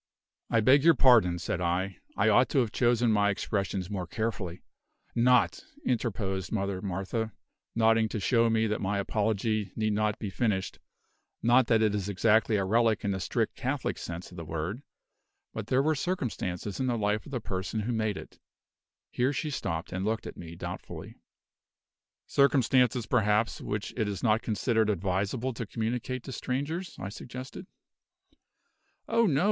"I beg your pardon," said I; "I ought to have chosen my expressions more carefully " "Not," interposed Mother Martha, nodding to show me that my apology need not be finished "not that it is exactly a relic in the strict Catholic sense of the word; but there were circumstances in the life of the person who made it " Here she stopped, and looked at me doubtfully. "Circumstances, perhaps, which it is not considered advisable to communicate to strangers," I suggested. "Oh, no!"